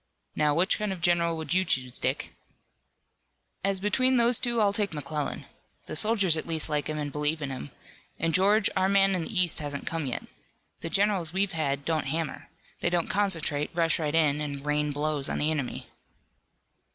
Now, which kind of a general would you choose, Dick?" "As between those two I'll take McClellan. The soldiers at least like him and believe in him. And George, our man in the east hasn't come yet. The generals we've had don't hammer. They don't concentrate, rush right in and rain blows on the enemy."